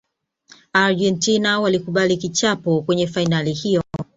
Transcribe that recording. argentina walikubali kichapo kwenye fainali hiyo